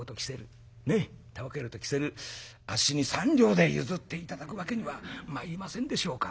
ねっ煙草入れときせるあっしに３両で譲って頂くわけにはまいりませんでしょうか？」。